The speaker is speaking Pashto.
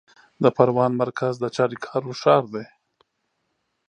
د پروان مرکز د چاریکارو ښار دی